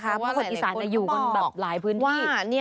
เพราะคนอีสานอยู่กันแบบหลายพื้นที่